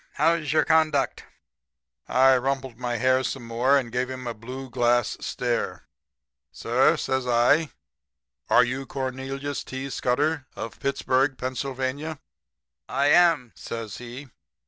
'How's your conduct?' "I rumpled my hair some more and gave him a blue glass stare. "'Sir,' says I, 'are you Cornelius T. Scudder? Of Pittsburg, Pennsylvania?' "'I am,' says he.